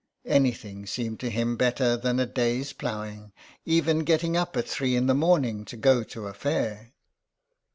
Anything seemed to him better than a day's plough ing : even getting up at three in the morning to go to a fair.